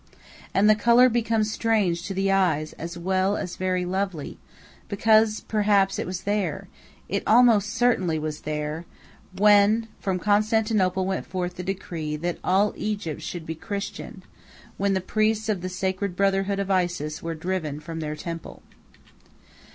And the color becomes strange to the eyes as well as very lovely, because, perhaps, it was there it almost certainly was there when from Constantinople went forth the decree that all Egypt should be Christian; when the priests of the sacred brotherhood of Isis were driven from their temple.